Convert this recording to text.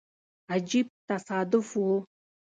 عجیب تصادف وو.